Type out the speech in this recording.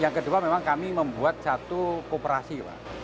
yang kedua memang kami membuat satu kooperasi